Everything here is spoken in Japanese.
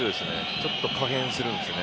ちょっと加減するんですね。